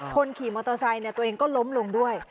คนขี่มอเตอร์ไซค์ตัวเองก็ล้มลงด้วย